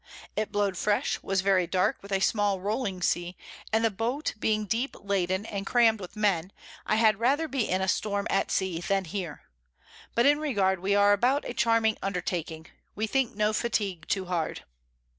It blow'd fresh, was very dark, with a small rolling Sea, and the Boat being deep laden and cram'd with Men, I had rather be in a Storm at Sea than here; but in regard we are about a charming Undertaking, we think no Fatigue too hard.